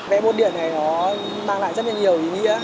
vé bốt điện này nó mang lại rất là nhiều ý nghĩa